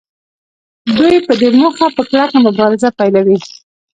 دوی په دې موخه په کلکه مبارزه پیلوي